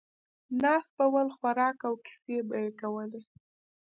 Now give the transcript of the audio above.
ناست به ول، خوراک او کیسې به یې کولې.